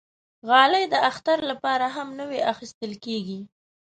غالۍ د اختر لپاره هم نوی اخېستل کېږي.